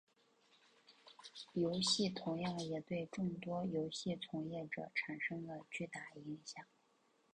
游戏同样也对众多游戏从业者产生了巨大影响。